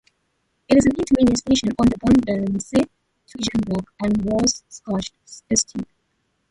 It is an intermediate station on the Bodensee–Toggenburg and Rorschach–St.